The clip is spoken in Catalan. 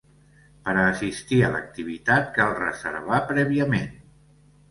Per a assistir a l’activitat cal reservar prèviament.